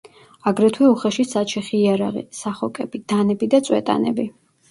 აგრეთვე უხეში საჩეხი იარაღი, სახოკები, დანები და წვეტანები.